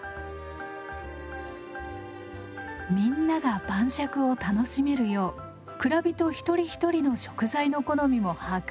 みんなが晩酌を楽しめるよう蔵人一人一人の食材の好みも把握。